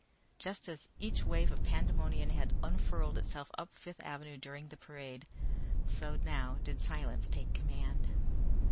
Just as each wave of pandemonium had unfurled itself up Fifth Avenue during the parade, so now did silence take command.